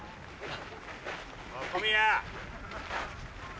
小宮！